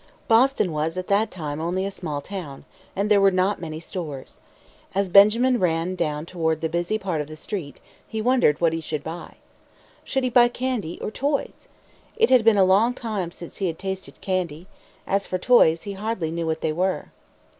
Boston was at that time only a small town, and there were not many stores. As Benjamin ran down toward the busy part of the street, he wondered what he should buy. Should he buy candy or toys? It had been a long time since he had tasted candy. As for toys, he hardly knew what they were.